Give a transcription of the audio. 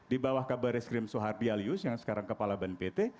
di bawah kabar reskrim soeharto bialius yang sekarang kepala bnpt